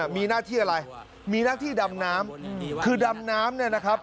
มีหน้าที่อะไรมีหน้าที่ดำน้ำคือดำน้ำเนี่ยนะครับ